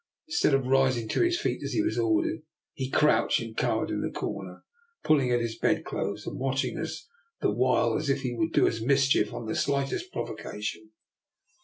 Instead of rising to his feet as he was ordered, he crouched and cowered in the corner, pulling at his bed clothes, and watching us the while as if he would do us a mischief on the slightest provo cation.